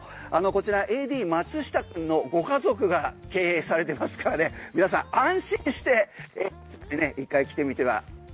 こちらＡＤ・松下くんのご家族が経営されてますから皆さん安心して１回来てみては。